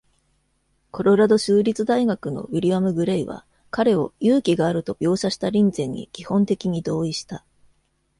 コロラド州立大学のウィリアム・グレイは、彼を「勇気がある」と描写したリンゼンに基本的に同意した。